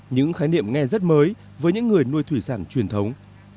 những khái niệm nghe rất mới với những người nuôi thủy sản truyền thống